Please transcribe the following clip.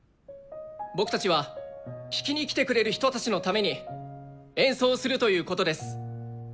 僕たちは聴きに来てくれる人たちのために演奏をするということです。